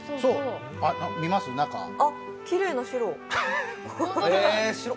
きれいな白。